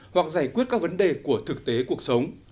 hoặc giải quyết các vấn đề của thực tế cuộc sống